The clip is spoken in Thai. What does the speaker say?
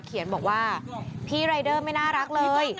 เขียนบอกว่าพี่รายเดอร์ไม่น่ารักเลย